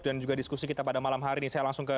dan juga diskusi kita pada malam hari ini saya langsung ke